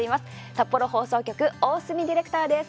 札幌放送局大隅ディレクターです。